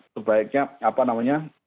sebaiknya apa namanya